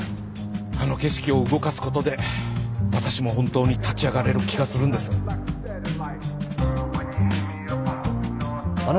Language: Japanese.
あの景色を動かすことで私も本当に立ち上がれる気がするんです